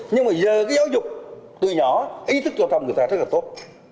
nhưng mà giờ cái giáo dục từ nhỏ ý thức cho con người ta rất là tốt